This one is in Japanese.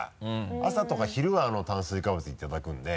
朝とか昼は炭水化物いただくんで。